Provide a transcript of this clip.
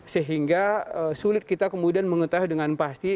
sehingga sulit kita kemudian mengetahui dengan pasti